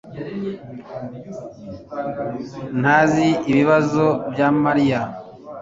ntazi ibibazo bya Mariya